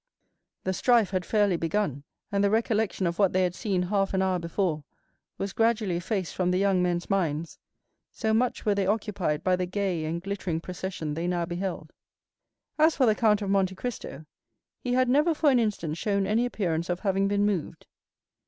20177m The strife had fairly begun, and the recollection of what they had seen half an hour before was gradually effaced from the young men's minds, so much were they occupied by the gay and glittering procession they now beheld. As for the Count of Monte Cristo, he had never for an instant shown any appearance of having been moved.